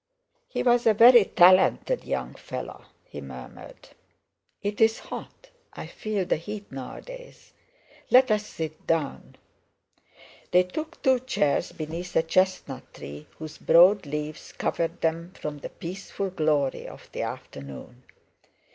"He was a very talented young fellow," he murmured. "It's hot; I feel the heat nowadays. Let's sit down." They took two chairs beneath a chestnut tree whose broad leaves covered them from the peaceful glory of the afternoon.